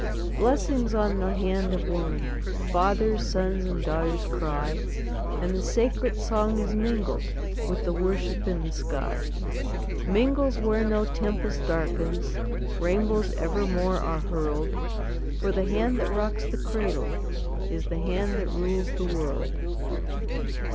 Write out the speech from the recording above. Blessings on the hand of women! Fathers, sons, and daughters cry, And the sacred song is mingled With the worship in the sky Mingles where no tempest darkens, Rainbows evermore are hurled; For the hand that rocks the cradle Is the hand that rules the world.